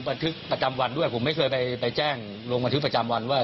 บันทึกประจำวันด้วยผมไม่เคยไปแจ้งลงบันทึกประจำวันว่า